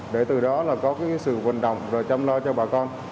để từ đó có sự vận động chăm lo cho bà con